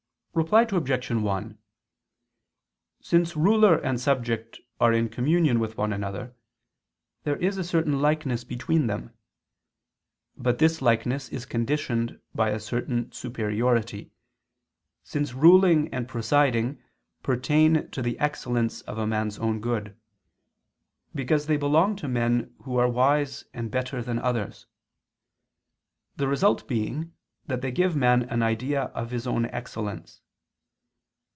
Reply Obj. 1: Since ruler and subject are in communion with one another, there is a certain likeness between them: but this likeness is conditioned by a certain superiority, since ruling and presiding pertain to the excellence of a man's own good: because they belong to men who are wise and better than others; the result being that they give man an idea of his own excellence.